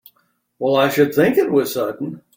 Well I should think it was sudden!